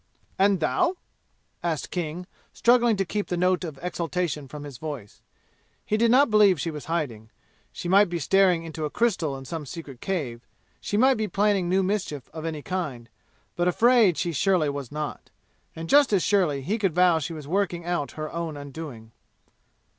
"And thou?" asked King, struggling to keep the note of exultation from his voice. He did not believe she was hiding. She might be staring into a crystal in some secret cave she might be planning new mischief of any kind. But afraid she was surely not. And just as surely he could vow she was working out her own undoing.